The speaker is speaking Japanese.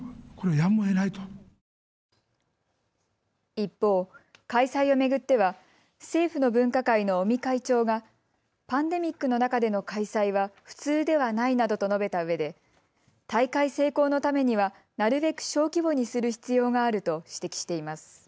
一方、開催を巡っては政府の分科会の尾身会長がパンデミックの中での開催は普通ではないなどと述べたうえで大会成功のためには、なるべく小規模にする必要があると指摘しています。